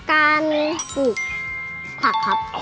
การปลูกผักครับ